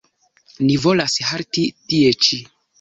Ni volas halti tie ĉi.